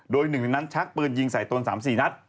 โดยหนึ่งในนั้นชักปืนยิงใส่ตน๓๔นัด